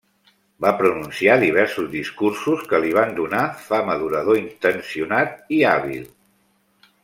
Va pronunciar diversos discursos que li van donar fama d'orador intencionat i hàbil.